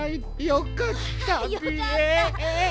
よかった！